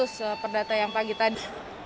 seperdata yang pagi tadi